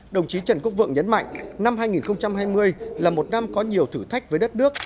đồng chí trần quốc vượng nhấn mạnh năm hai nghìn hai mươi là một năm có nhiều thử thách với đất nước